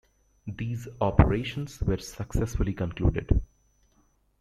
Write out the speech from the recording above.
These operations were successfully concluded.